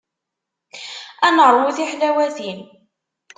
Ad neṛwu tiḥlawatin.